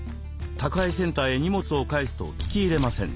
宅配センターへ荷物を返す」と聞き入れません。